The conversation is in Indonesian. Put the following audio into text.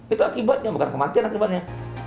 itu akibatnya bukan kematian akibatnya